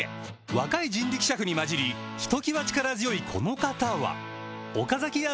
若い人力車夫に交じりひときわ力強いこの方は岡崎屋